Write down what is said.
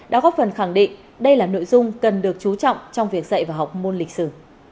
đã góp phần khẳng định đây là nội dung cần được chú trọng trong việc dạy và học môn lịch sử